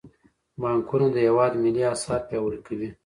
بانکونه د هیواد ملي اسعار پیاوړي کوي.